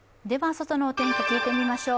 外のお天気、聞いてみましょう。